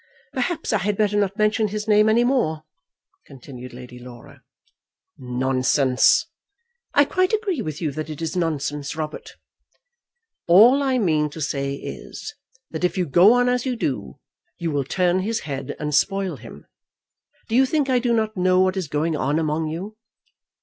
"Perhaps I had better not mention his name any more," continued Lady Laura. "Nonsense!" "I quite agree with you that it is nonsense, Robert." "All I mean to say is, that if you go on as you do, you will turn his head and spoil him. Do you think I do not know what is going on among you?"